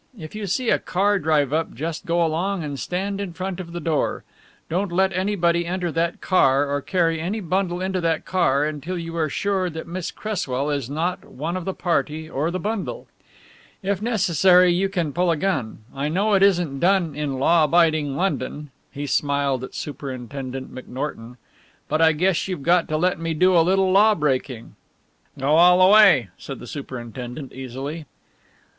If you see a car drive up just go along and stand in front of the door. Don't let anybody enter that car or carry any bundle into that car until you are sure that Miss Cresswell is not one of the party or the bundle. If necessary you can pull a gun I know it isn't done in law abiding London," he smiled at Superintendent McNorton, "but I guess you've got to let me do a little law breaking." "Go all the way," said the superintendent easily.